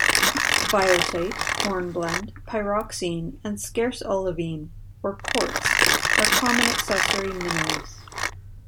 Biotite, hornblende, pyroxene and scarce olivine or quartz are common accessory minerals.